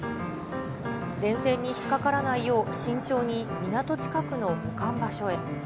電線に引っかからないよう、慎重に港近くの保管場所へ。